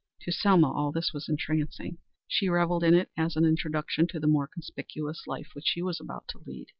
To Selma all this was entrancing. She revelled in it as an introduction to the more conspicuous life which she was about to lead.